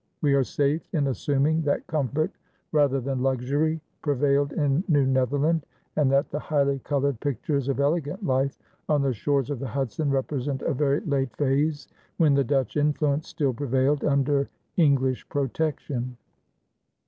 We are safe in assuming that comfort rather than luxury prevailed in New Netherland and that the highly colored pictures of elegant life on the shores of the Hudson represent a very late phase, when the Dutch influence still prevailed under English protection.